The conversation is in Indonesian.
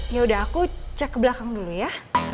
yaudah aku cek ke belakang dulu ya